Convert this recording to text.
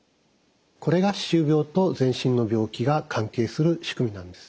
これが歯周病と全身の病気が関係する仕組みなんです。